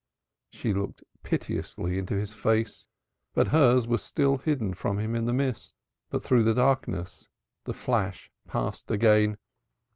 She looked piteously into his face, but hers was still hidden from him in the mist. But through the darkness the flash passed again.